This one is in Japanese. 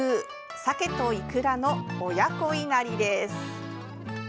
「さけといくらの親子いなり」です。